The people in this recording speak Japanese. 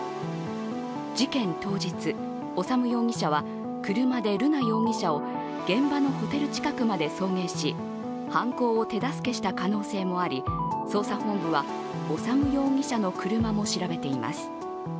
事件当日、修容疑者は車で瑠奈容疑者を現場のホテル近くまで送迎し犯行を手助けした可能性もあり捜査本部は修容疑者の車も調べています。